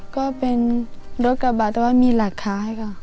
ก็เป็นรถกระบะแต่ว่ามีหลักค้าให้ค่ะ